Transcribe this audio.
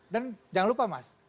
dan jangan lupa mas